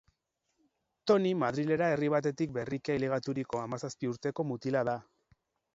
Toni Madrilera herri batetik berriki ailegaturiko hamazazpi urteko mutila da.